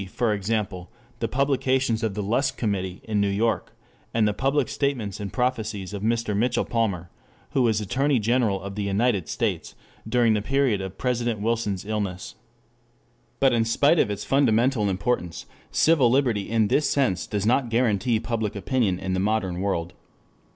_ for example, the publications of the Lusk Committee in New York, and the public statements and prophecies of Mr. Mitchell Palmer, who was Attorney General of the United States during the period of President Wilson's illness.] But in spite of its fundamental importance, civil liberty in this sense does not guarantee public opinion in the modern world.